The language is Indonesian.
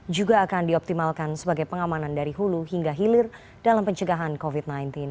juga akan dioptimalkan sebagai pengamanan dari hulu hingga hilir dalam pencegahan covid sembilan belas